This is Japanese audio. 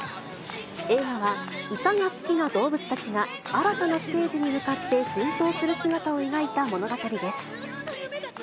映画は歌が好きな動物たちが新たなステージに向かって奮闘する姿を描いた物語です。